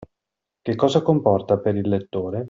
Che cosa comporta per il lettore?